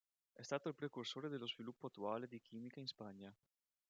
È stato il precursore dello sviluppo attuale di chimica in Spagna.